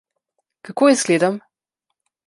Kako izgledam?